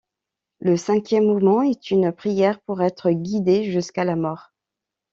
Le cinquième mouvement est une prière pour être guidé jusqu'à la mort.